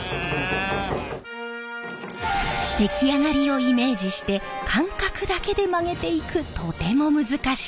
出来上がりをイメージして感覚だけで曲げていくとても難しい作業。